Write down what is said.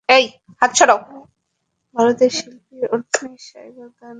ভারতের শিল্পী অন্বেষা এবার গান গেয়েছেন বাংলাদেশের চিরকুট ব্যান্ডের সুর করা একটি গানে।